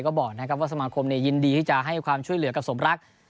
ก็บอกนะครับว่าสมาคมยินดีที่จะให้ความช่วยเหลือกับสมรัก